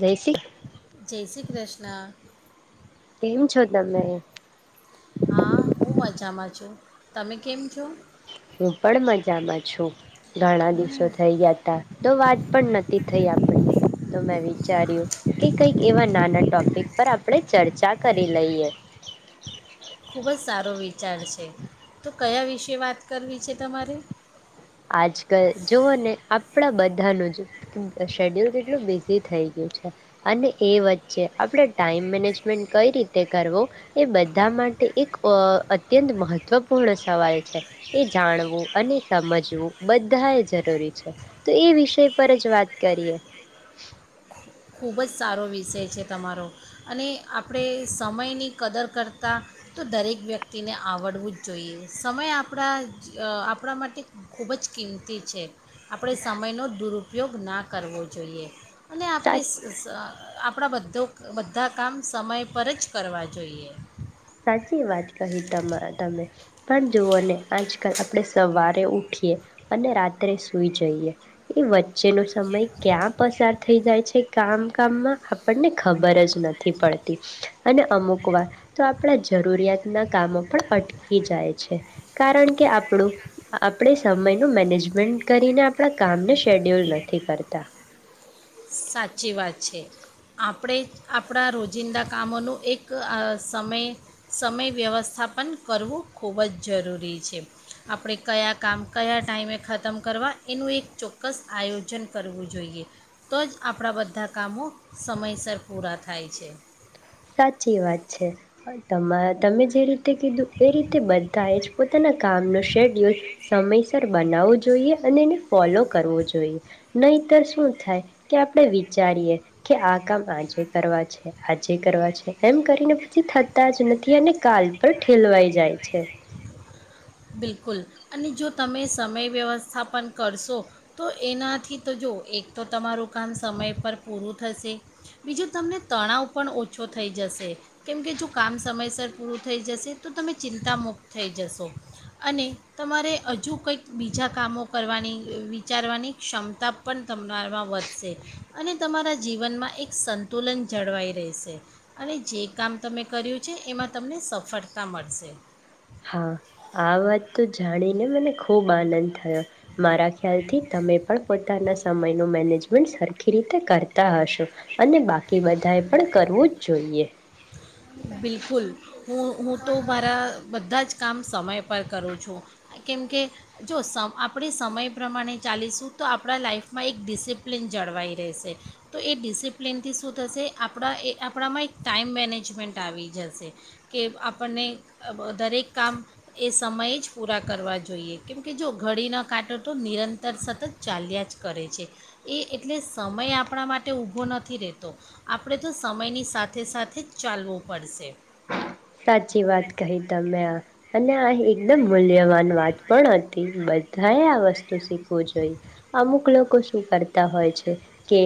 જયસી જય શ્રી કૃષ્ણ. કેમ છો તમે? હા હું મજામાં છું તમે કેમ છો? હું પણ મજામાં છું. ઘણા દિવસો હમ થઈ ગયા હતા. તો વાત પણ નથી થઈ આપણી તો મેં વિચાર્યું કે કઈક એવા નાના ટોપિક પર આપણે ચર્ચા કરી લઈએ. ખૂબ જ સારો વિચાર છે તો કયા વિશે વાત કરવી છે તમારે? આજકાલ જઓ ને આપણા બધાનું શેડ્યુલ કેટલું બિઝી થઈ ગયું છે અને એ વચ્ચે આપણે ટાઈમ મેનેજમેન્ટ કઈ રીતે કરવો એ બધા માટે એક અ અત્યંત મહત્વપૂર્ણ સવાલ છે એ જાણવું અને સમજવું બધા જરૂરી છે તો એ વિષય પર જ વાત કરીએ. ખુબ જ સારો વિષય છે તમારો અને આપણે સમયની કદર કરતાં તો દરેક વ્યક્તિને આવડવું જ જોઈએ સમય આપણા આપણા માટે ખુબ જ કિંમતી છે. આપણે સમયનો દુરુપગ [unintelligible] ઉ પયોગ ના કરવો જોઈએ. [unintelligible] સાચ આપણા બધો બધા કામ સમય પર જ કરવા જોઈએ. સાચી વાત કહી તમા તમે પણ જુઓ ને આજકાલ આપણે સવારે ઉઠીએ અને રાત્રે સુઈ જઈએ એ વચ્ચેનો સમય ક્યાં પસાર થઈ જાય છે કામ કામમાં આપણને ખબર જ નથી પડતી અને અમુક વાર તો આપણા જરૂરિયાતના કામો પણ અટકી જાય છે કારણ કે આપણું આપણે સમયનું મેનેજમેન્ટ કરીને આપણા કામને શેડ્યુલ નથી કરતા. સાચી વાત છે આપણે આપણા રોજિંદા કામોનું એક સમય સમય વ્યવસ્થાપન કરવું ખુબ જ જરૂરી છે. આપણે કયા કામ કયા ટાઈમે ખતમ કરવા એનું એક ચોક્કસ આયોજન કરવું જોઈએ. તો જ આપણા બધા કામો સમયસર પૂરા થાય છે. સાચી વાત છે. તમા તમે જે રીતે કીધું એ રીતે બધાએ જ પોતાના કામનો શેડ્યુલ સમયસર બનાવવું જોઈએ અને એને ફોલો કરવો જોઈએ નહીતર શું થાય કે આપણે વિચારીએ કે આ કામ આજે કરવા છે આજે કરવા છે એમ કરીને પછી થતા જ નથી અને કાલ પર ઠેલવાઈ જાય છે. બિલકુલ અને જો તમે સમય વ્યવસ્થા પણ કરશો તો એનાથી તો જો એક તો તમારું કામ સમય પર પૂરું થશે. બીજું તમને તણાવ પણ ઓછો થઈ જશે કેમકે જો કામ સમયસર પૂરું થઈ જશે તો તમે ચિંતા મુુક્ત થઈ જશો. અને તમારે હજુ કંઈક બીજા કામો કરવાની વિચારવાની ક્ષમતા પણ તમારામાં વધશે અને તમારા જીવનમાં એક સંતુલન જળવાઈ રહેશે અને જે કામ તમે કર્યું છે એમાં તમને સફળતા મળશે. હા આ વાત તો જાણીને મને ખૂબ આનંદ થયો મારા ખ્યાલથી તમે પણ પોતાના સમયનું મેનેજમેન્ટ સરખી રીતે કરતા હશો અને બાકી બધાએ પણ કરવું જ જોઈએ. બિલકુલ હું હું તો મારા બધા જ કામ સમય પર કરું છું કેમકે જો સમ આપણી સમય પ્રમાણે ચાલીશું તો આપણા લાઈઇફમાં એક ડિસિપ્લિન જળવાઈ રહેશે તો એ ડિસિપ્લિનથી શું થશે આપણા એ આપણામાં એક ટાઈમ મેનેજ [unintelligible] આવી જશે કે આપણને દરેક કામ એ સમયે જ પૂરા કરવા જોઈએ કેમકે જો ઘડી ન કાંટો તો નિરંતર સતત ચાલ્યા જ કરે છે એ એટલે સમય આપણા માટે ઊભો નથી રહેતો આપણે તો સમયની સાથે સાથે જ ચાલવું પડશે. સાચી વાત કહી તમે આ અને આ એકદમ મૂલ્યવાન વાત પણ હતી બધાએ આ વસ્તુ શીખવું જોઈ અમુક લોકો શું કરતા હોય છે કે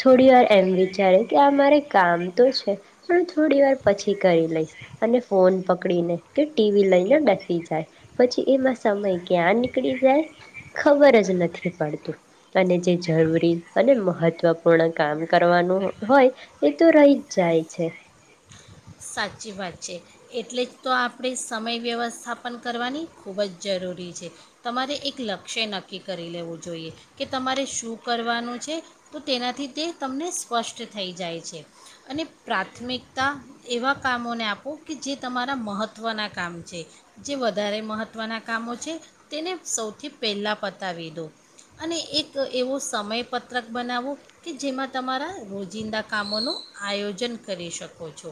થોડી વાર એમ વિચારે કે આ મારે કામ તો છે પણ થોડી વાર પછી કરી લઈશ. અને ફોન પકડીને કે ટીવી લઈને બેસી જાય પછી એમાં સમય ક્યાં નીકળી જાય ખબર જ નથી પડતું અને જે જરૂરી અને મહત્વપૂર્ણ કામ કરવાનું હોય એ તો રહી જ જાય છે. સાચી વાત છે એટલે જ તો આપણે સમય વ્યવસ્થાપન કરવાની ખુબ જ જરૂરી છે. તમારે એક લક્ષ્ય નક્કી કરી લેવું જોઈએ કે તમારે શું કરવાનું છે તો તેનાથી તે તમને સ્પષ્ટ થઈ જાય છે અને પ્રાથમિકતા એવા કામોને આપો કે જે તમારા મહત્ત્વનાં કામ છે જે વધારે મહત્ત્વના કામો છે તેને સૌથી પહેલાં પતાવી દો અને એક એવો સમયપત્રક બનાવો કે જેમાં તમારા રોજિંદા કામોનું આયોજન કરી શકો છો.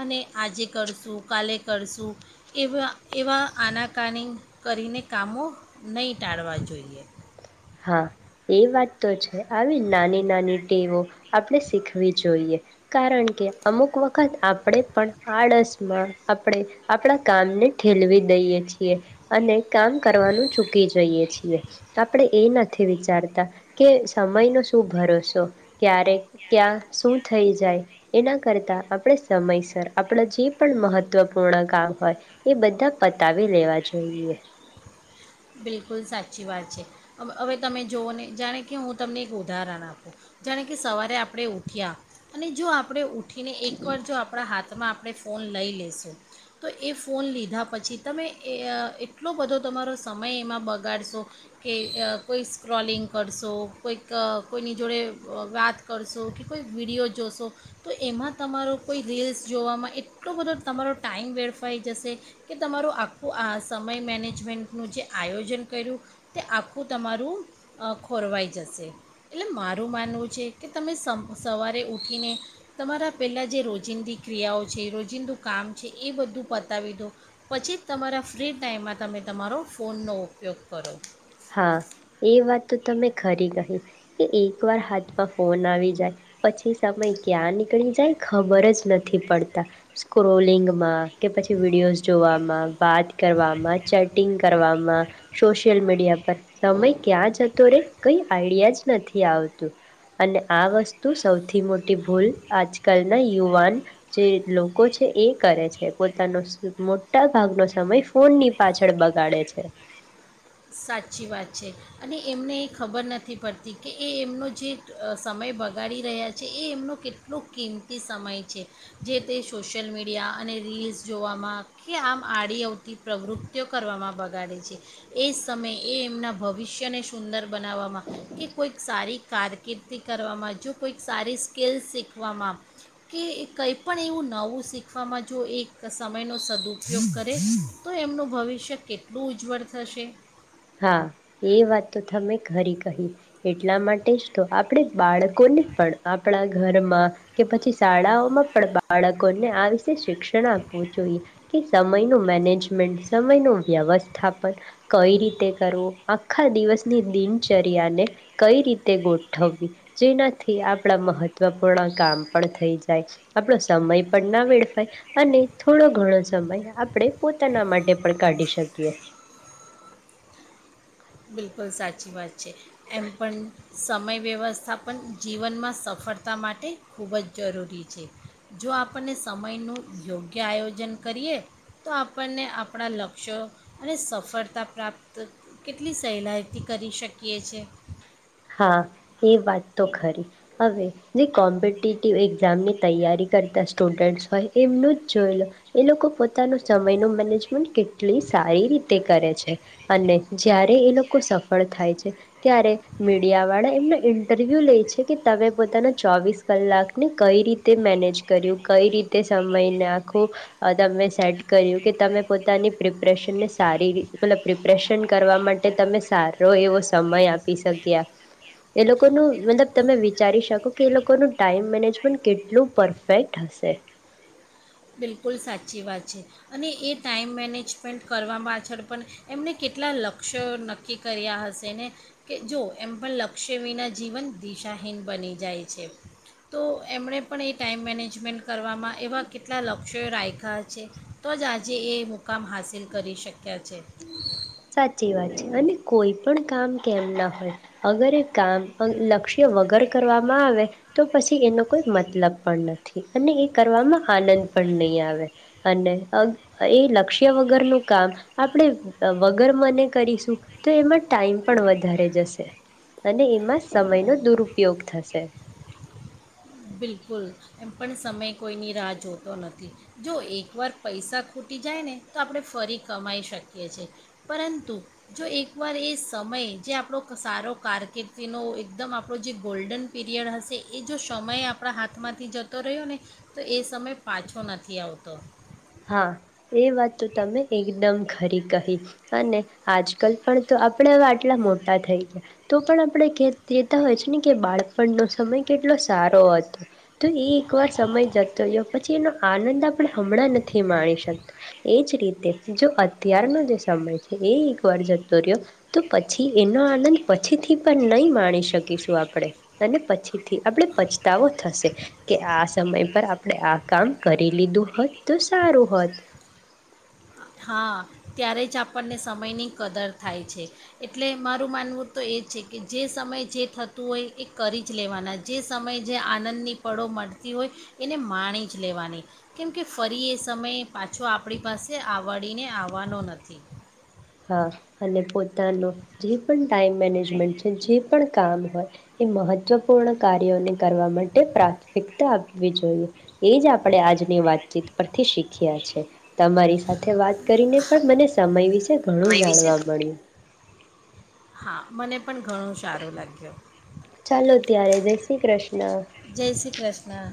અને આજે કરશું કાલે કરશું એવા એવા આનાકાની કરીને કામો નહીં ટાળવા જોઈએ. હા એ વાત તો છે આવી નાની નાની ટેવો આપણે શીખવી જોઈએ કારણ કે અમુક વખત આપણે પણ આળસમાં આપડે આપડા કામને ઠેલવી દઈએ છીએ અને કામ કરવાનું ચૂકી જઈએ છીએ આપડે એ નથી વિચારતા કે સમયનો શું ભરોસો ક્યારેક ક્યાં શું થઈ જાય એના કરતા આપણે સમયસર આપણા જે પણ મહત્વપૂર્ણ કામ હોય એ બધા પતાવી લેવા જોઈએ. બિલકુલ સાચી વાત છે હવે તમે જુઓ ને જાણે કે હું તમને એક ઉદાહરણ આપું જાણે કે સવારે આપણે ઉઠ્યા અને જો આપણે ઉઠીને એકવાર જો આપણા હાથ તેમાં આપણે ફોન લઈ લેશું તો એ ફોન લીધા પછી તમે એ એટલો બધો તમારો સમય એમાં બગાડશો કે કોઈ સ્ક્રોલિંગ કરશો કોઈક કોઈની જોડે વાત કરશો કે કોઈ વિડીયો જોશો તો એમાં તમારો કોઈ રીલ્સ જોવામાં એટલો બધો તમારો ટાઈમ વેડફાઈ જશે કે તમારું આખું આ સમય મેનેજમેન્ટ નું જે આયોજન કર્યું તે આખું તમારું ખોરવાઈ જશે એટલે મારું માનવું છે કે તમે સમ સવારે ઉઠીને તમારા પહેલાં જે રોજિંદી ક્રિયાઓ છે રોજિંદું કામ છે એ બધું પતાવી દો પછી જ તમારા ફ્રી ટાઈમમાં તમે તમારો ફોનનો ઉપયોગ કરો. હા એ વાત તો તમે ખરી કહી કે એક વાર હાથ પા ફોન આવી જાય પછી સમય ક્યાં નીકળી જાય ખબર જ નથી પડતા સ્ક્રોલિંગમાં કે પછી વિડીયોઝ જોવા માં, વાત કરવામાં, ચેટિંગ કરવામાં સોશિયલ મીડિયા પ સમય ક્યાં જતો રે કઈ આઈડિયા જ નથી આવતું અને આ વસ્તુ સૌથી મોટી ભૂલ આજકાલના યુવાન જે લોકો છે એ કરે છે પોતાનો મોટા ભાગનો સમય ફોનની પાછળ બગાડે છે. સાચી વાત છે અને એમને એ ખબર નથી પડતી કે એ એમનો જે સમય બગાડી રહ્યા છે એ એમનો કેટલો કિંમતી સમય છે જે તે સોશિયલ મીડિયા અને રીલ્સ જોવામાં કે આમ આડી આવતી પ્રવૃત્તિઓ કરવામાં બગાડે છે એ સમય એ એમના ભવિષ્યને સુંદર બનાવવામાં કે કોઈક સારી કારકિર્દી કરવામાં જો કોઈક સારી સ્કલસ શીખવામાં કે કંઈ પણણ એવું નવું શીખવામાં જો એ સમયનો સદુપયોગ કરે તો એમનું ભવિષ્ય કેટલું ઉજ્જવળ થશે હા એ વાત તો તમે ખરી કહી એટલા માટે જ તો આપણે બાળકોને પણ આપણા ઘરમાં કે પછી શાળાઓમાં પણ બાળકોને આ વિશે શિક્ષણ આપવું જોઈએ કે સમયનું મેનેજમેન્ટ સમયનું વ્યવસ્થાપન કઈ રીતે કરવું આખા દિવસની દિનચર્યાને કઈ રીતે ગોઠવવી જેનાથી આપણા મહત્વપૂર્ણ કામ પણ થઈ જાય આપણો સમય પણ ના વેડફાય અને થોડો ઘણો સમય આપણે પોતાના માટે પણ કાઢી શકીએ બિલકુલ સાચી વાત છે છે એમ પણ સમય વ્યવસ્થા પણન જીવનમાં સફળતા માટે ખૂબ જ જરૂરી છે જો આપણને સમયનું યોગ્ય આયોજન કરીએ તો આપણને આપણા લક્ષ્યો અને સફળતા પ્રાપ્ત કેટલી સહેલાઈથી કરી શકીએ છીએ હા એ વાત તો ખરી હવે જે કોમ્પિટટિવ એક્ઝામની તૈયારી કરતા સ્ટુડન્ટ્સ હોય એમનું જ જોઈ લો એ લોકો પોતાનો સમયનું મેનેજમેન્ટ કેટલી સારી રીતે કરે છે અને જ્યારે એ લોકો સફળ થાય છે ત્યારે મીડિયાવાળા એમનો ઇન્ટરવ્યૂ લે છે કે તમે પોતાના ચોવીસ કલાકને કઈ રીતે મેનેજ કર્યું કઈ રીતે સમયનેખું તમે સેટ કર્યું કે તમે પોતાની પ્રિપરેેશનને સારી રી મતલબ પ્રિપરેેશન કરવા માટે તમે સારો એવો સમય આપી શકો એ લોકોલ તમે વિચારી શકો કે એ લોકોનું ટાઈમ મેનેજમેન્ટ કેટલું પરફેક્ટ હશે બિલકુલ સાચી વાત છે અને એ ટાઈમ મેનેજમેન્ટ કરવા પાછળ પણ એમણે કેટલા લક્ષ્ય નક્કી કર્યા હશે ને કે જો એમ પણ લક્ષ્ય વિના જીવન દિશાહીન બની જાય છે તો એમણે પણ એ ટાઈઇમ મેનેજમેન્ટ કરવામાં એવા કેટલા લક્ષ્યો રાખ્યા છે તો જ આજે એ મુકામ હંાસિલ કરી શક્યા છે સાચી વાત છે અને કોઈ પણ કામ કેમ ના હોય અગર એ કામ લક્ષ્ય વગર કરવામાં આવે તો પછી એનો કોઈ મતલબ પણ નથી અને એ કરવામાં આનંદ પણ નહીં આવે અને એ લક્ષ્ય વગરનુંું કામ આપણે વગર મને કરીશું તો એમાં ટાઈમ પણ વધારે જશે અને એમાં સમયનો દુરુપયોગ થશે બિલકુલ એમ પણ સમય કોઈની રાહ જોતો નથી જો એકવાર પૈસા ખૂટી જાય ને તો આપણે ફરી કમાઈ શકીએ છ છેીએ પરંતુ જો એકવાર એ સમય જે આપણો સારો કારકિર્દીનો એકદમ આપણો જે ગોલ્ડન પીરિયડ હશે એ જો સમય આપણા હાથમાંથી જતો રહ્યો ને તો એ સમય પાછો નથી આવતો હા એ વાત તો તમે એકદમ ખરી કહી અને આજકાલ પણ તો આપણે આટલા મોટા થઈ ગયા તો પણ આપણે કે કતા હોય છે ને કે બાળપણનો સમય કેટલો સારો હતો તો એ એકવાર સમય જતો ગયો પછી એનો આનંદ આપણે હમણાં નથી એ જ રીતે જો અત્યારનો જે સમય છે એ એકવાર જતો રહ્યો તો પછી એનો આનંદ પછીથી પણ નહીં માણી શકીશું આપણે અને પછીથી આપણે પછતાવો થશે કે આ સમય પર આપણે આ કામ કરી લીધું હોત તો સારું હોત હા ત્યારે જ આપણને સમયની કદર થાય છે એટલે મારું માનવું તો એ છે કે જે સમય જે થતું હોય એ કરી જ લેવાના જે સમયે જે આનંદની પળો મળતી હોય એને માણી જ લેવાની કેમકે ફરી એ સમય પાછો આપણી પાસે આવે આવળીને આવવાનો નથી હા અને પોતાનો જે પણ ટાઈમ મેનેજમેન્ટ છે જે પણ કામ હોય એ મહત્વપૂર્ણ કાર્યોને કરવા માટે પ્રાથમિકતા આપવી જોઈએ એ જ આપણે આજની વાતચીત પરથી શીખ્યા છે તમારી સાથે વાત કરીને પણ મને સમય વિશે ઘણું સમય વિશે જાણવા મળ્યું હા મને પણ ઘણું સારો લાગ્યું ચાલો ત્યારે જય શ્રી કૃષ્ણ જય શ્રી કૃષ્ણ